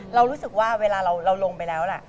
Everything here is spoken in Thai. เรารู้สึกว่าเวลาเราลงไปแล้วล่ะ